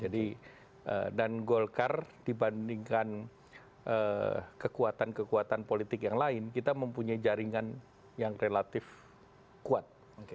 dan golkar dibandingkan kekuatan kekuatan politik yang lain kita mempunyai jaringan yang relatif kuat